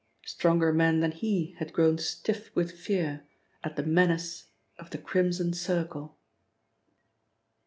Stronger men than he had grown stiff with fear at the menace of the Crimson Circle.